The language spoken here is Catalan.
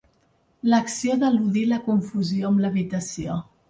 L'acció d'eludir la confusió amb l'habitació.